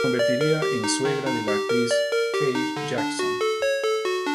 Se convertiría en suegra de la actriz Kate Jackson.